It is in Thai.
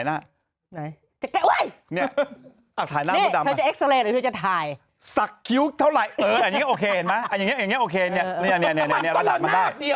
หน่อยทายถ่ายสักคิ้วเท่าไหร่ออกทีได้บอกมาได้